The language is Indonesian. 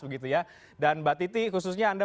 begitu ya dan mbak titi khususnya anda